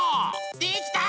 できた！